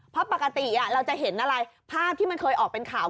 เพราะปกติเราจะเห็นอะไรภาพที่มันเคยออกเป็นข่าว